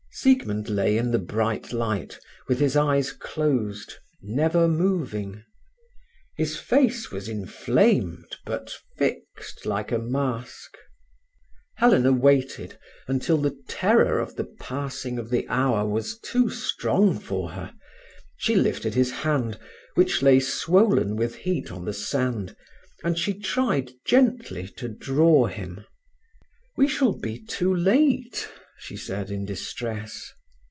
Siegmund lay in the bright light, with his eyes closed, never moving. His face was inflamed, but fixed like a mask. Helena waited, until the terror of the passing of the hour was too strong for her. She lifted his hand, which lay swollen with heat on the sand, and she tried gently to draw him. "We shall be too late," she said in distress.